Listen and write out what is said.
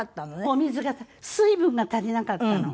お水が水分が足りなかったの。